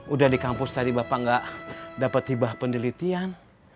udah di kampus tadi bapak nggak dapet hibah pendelitian